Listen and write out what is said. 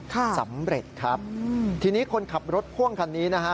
สำเร็จครับทีนี้คนขับรถพ่วงคันนี้นะฮะ